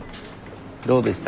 どうでした？